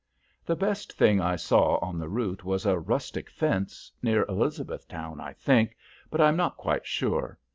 The best thing I saw on the route was a rustic fence, near Elizabethtown, I think, but I am not quite sure.